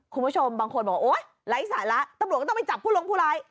คุณผู้ชมบางคนบอกโอ๊ยไร้สาระตำรวจก็ต้องไปจับผู้ลงผู้ร้าย